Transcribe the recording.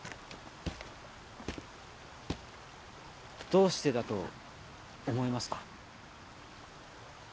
どうしてだと思いますか？